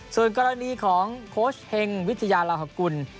ส่วนกรณีของโค้ชเฮงวิทยาลาหกุล